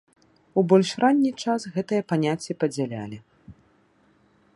У больш ранні час гэтыя паняцці падзялялі.